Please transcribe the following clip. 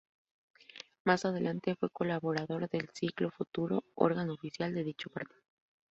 Más adelante fue colaborador de "El Siglo Futuro", órgano oficial de dicho partido.